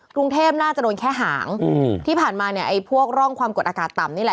กรุงเทพน่าจะโดนแค่หางอืมที่ผ่านมาเนี่ยไอ้พวกร่องความกดอากาศต่ำนี่แหละ